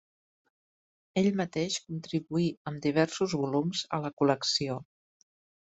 Ell mateix contribuí amb diversos volums a la col·lecció.